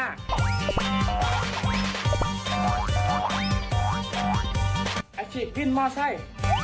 อาชีพพิธมารสัตว์